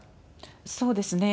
そうですね。